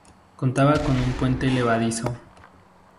Contaba con un puente levadizo.